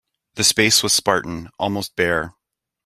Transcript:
The space was spartan, almost bare.